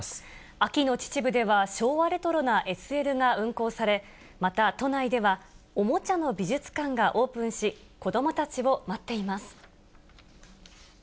秋の秩父では、昭和レトロなＳＬが運行され、また、都内ではおもちゃの美術館がオープンし、子どもたちを待っています。